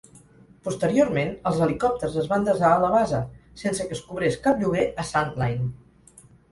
Posteriorment, els helicòpters es van desar a la base, sense que es cobrés cap lloguer a Sandline.